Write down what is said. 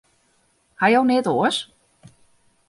Ha jo neat oars?